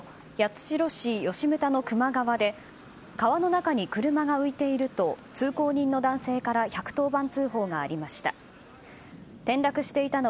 牟田の球磨川で川の中に車が浮いていると通行人の男性から１１０番通報がありました。